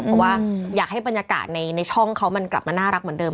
เพราะว่าอยากให้บรรยากาศในช่องเขามันกลับมาน่ารักเหมือนเดิม